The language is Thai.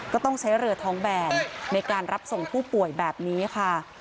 ก็ต้องใช้เรือท้องแบนในการรับส่งผู้ป่วยแบบนี้ค่ะ